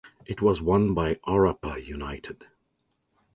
It was won by Orapa United.